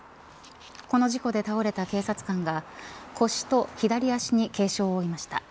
この事故で倒れた警察官が腰と左脚に軽傷を負いました。